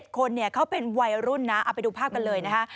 คนเขาเป็นวัยรุ่นนะเอาไปดูภาพกันเลยนะคะ